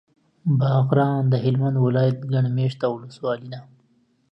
باغران د هلمند ولایت ګڼ مېشته ولسوالي ده.